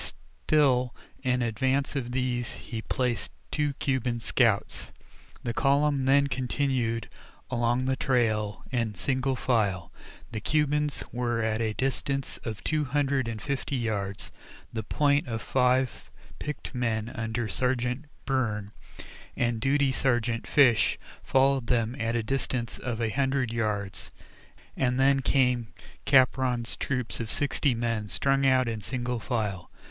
Still in advance of these he placed two Cuban scouts. The column then continued along the trail in single file. The Cubans were at a distance of two hundred and fifty yards; the "point" of five picked men under Sergeant Byrne and duty Sergeant Fish followed them at a distance of a hundred yards, and then came Capron's troop of sixty men strung out in single file.